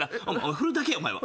振るだけやお前は。